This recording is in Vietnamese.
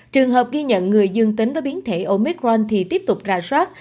trường hợp ghi nhận người dương tính với biến thể omicron thì tiếp tục rà soát